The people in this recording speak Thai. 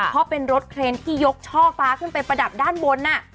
เพราะเป็นรถเครนที่ยกช่อฟ้าขึ้นไปประดับด้านบน